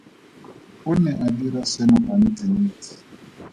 O ne a dira seno gantsintsi.